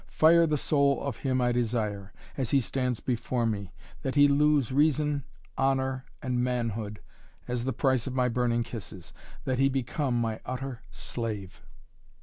Fire the soul of him I desire, as he stands before me, that he lose reason, honor, and manhood, as the price of my burning kisses that he become my utter slave."